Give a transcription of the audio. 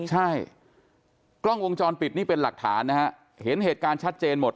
ใช่กล้องวงจรปิดนี่เป็นหลักฐานนะฮะเห็นเหตุการณ์ชัดเจนหมด